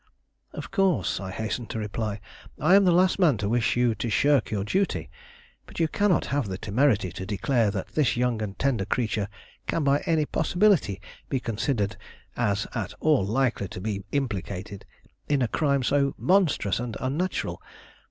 "Of course," I hastened to reply. "I am the last man to wish you to shirk your duty; but you cannot have the temerity to declare that this young and tender creature can by any possibility be considered as at all likely to be implicated in a crime so monstrous and unnatural.